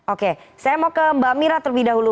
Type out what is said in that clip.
oke saya mau ke mbak mira terlebih dahulu